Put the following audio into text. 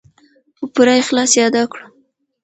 په پوره اخلاص یې ادا کړو.